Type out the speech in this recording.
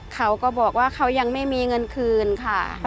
เขาก็บอกว่าเขายังไม่มีเงินคืนค่ะ